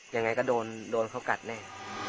ยังไงก็โดนเขากัดแน่